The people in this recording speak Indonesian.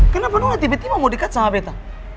kenapa nona tiba tiba mau deket sama beta